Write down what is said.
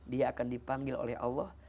dia akan dipanggil oleh allah